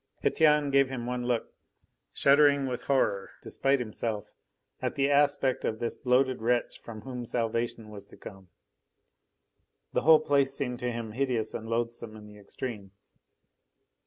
Etienne gave him one look, shuddering with horror, despite himself, at the aspect of this bloated wretch from whom salvation was to come. The whole place seemed to him hideous and loathsome in the extreme.